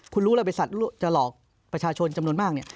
คุณรู้แล้วบริษัทจะหลอกประชาชนจำนวนมากเนี่ย